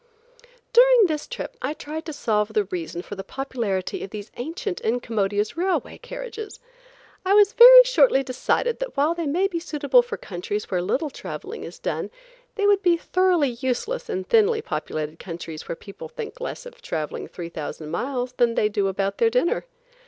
During this trip I tried to solve the reason for the popularity of these ancient, incommodious railway carriages. I very shortly decided that while they may be suitable for countries where little traveling is done, they would be thoroughly useless in thinly populated countries where people think less of traveling 3,000 miles than they do about their dinner.